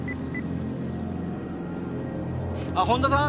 あっ本田さん？